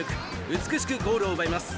美しくゴールを奪います。